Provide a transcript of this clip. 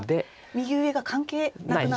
右上が関係なくなったと。